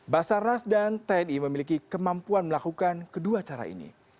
basarnas dan tni memiliki kemampuan melakukan kedua cara ini